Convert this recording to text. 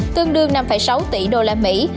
tương đương năm sáu tỷ đô la mỹ